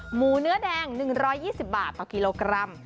หมูเนื้อแดง๑๒๐บาทต่อกิโลกรัม